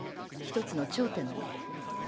一つの頂点なの。